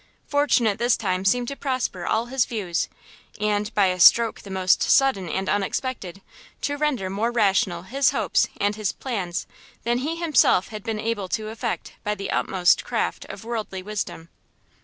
Fortune at this time seemed to prosper all his views, and, by a stroke the most sudden and unexpected, to render more rational his hopes and his plans than he had himself been able to effect by the utmost craft of worldly wisdom.